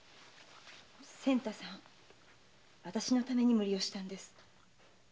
仙太さん私のために無理したんです。